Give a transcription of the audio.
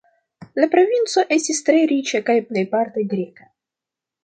La provinco estis tre riĉa kaj plejparte greka.